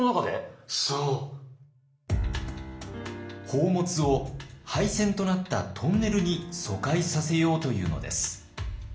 宝物を廃線となったトンネルに疎開させようというのです。